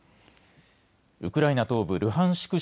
ウクライナ東部ルハンシク